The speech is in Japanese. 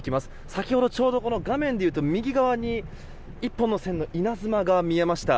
先ほどちょうど画面で言うと右側に１本の線の稲妻が見えました。